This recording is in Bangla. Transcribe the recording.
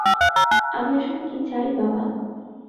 আমি আসলে কী চাই, বাবা?